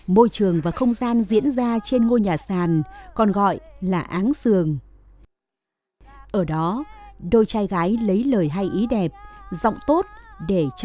môi trường và không gian diễn ra trên ngôi nhà sàn còn gọi là hát về đêm